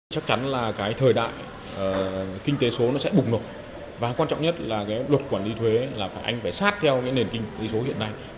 chắc chắn là cái thời đại kinh tế số nó sẽ bụng nổi và quan trọng nhất là cái luật quản lý thuế là phải sát theo cái nền kinh tế số hiện nay